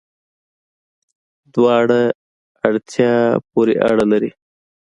دواړه، اړتیا پوری اړه لری